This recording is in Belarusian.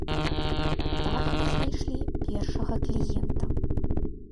Так мы знайшлі першага кліента.